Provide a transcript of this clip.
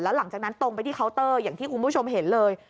หลังจากนั้นตรงไปที่เคาน์เตอร์อย่างที่คุณผู้ชมเห็นเลย